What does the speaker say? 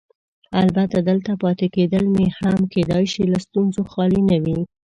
البته دلته پاتې کېدل مې هم کیدای شي له ستونزو خالي نه وي.